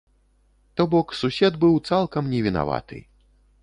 То бок сусед быў цалкам невінаваты.